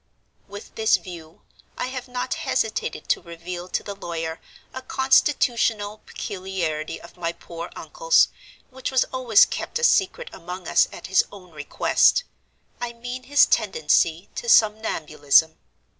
"With this view, I have not hesitated to reveal to the lawyer a constitutional peculiarity of my poor uncle's, which was always kept a secret among us at his own request—I mean his tendency to somnambulism.